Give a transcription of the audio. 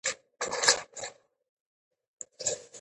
ځوانان باید د ده ملاتړي شي.